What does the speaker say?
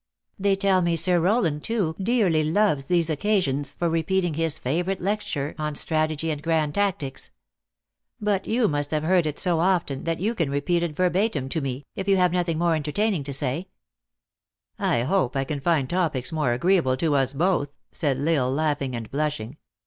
They tell me, Sir Rowland, too, dearly loves these occasions for repeating his favorite lecture on strategy and grand tactics. But you must have heard it so often, that yon .can repeat it verbatim to me, if you have nothing more entertaining to say." THE ACTRESS IN HIGH LIFE. 371 " I hope I could find topics more agreeable to us both," said L isle, laughing and blushing.